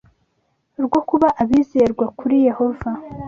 rwo kuba abizerwa kuri Yehova